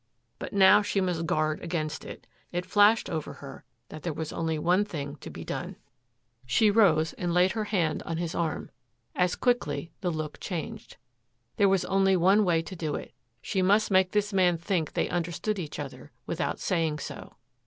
But now she must guard against it. It flashed over her that there was only one thing to be done. She rose and laid her hand on his arm. As quickly the look changed. There was only one way to do it; she must make this man think they understood each other without saying so.